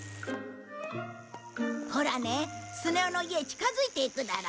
ほらねスネ夫の家へ近づいていくだろ？